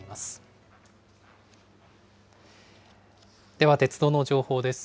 では鉄道の情報です。